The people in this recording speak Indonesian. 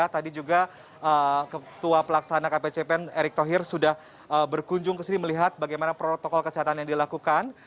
tadi juga ketua pelaksana kpcpen erick thohir sudah berkunjung ke sini melihat bagaimana protokol kesehatan yang dilakukan